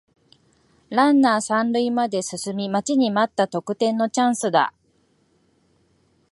ランナー三塁まで進み待ちに待った得点のチャンスだ